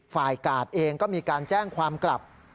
กาดเองก็มีการแจ้งความกลับ